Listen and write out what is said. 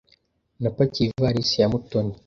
Napakiye ivalisi ya Mutoni.